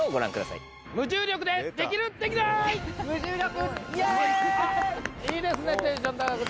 いいですねテンション高くて。